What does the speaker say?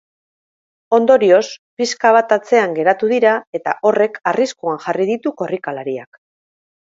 Ondorioz, pixka bat atzean geratu dira eta horrek arriskuan jarri ditu korrikalariak.